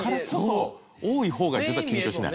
多い方が実は緊張しない。